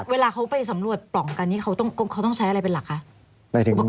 เวลาเขาไปสำรวจปล่องกันนี่เขาต้องใช้อะไรเป็นหลักคะ